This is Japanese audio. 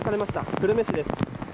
久留米市です。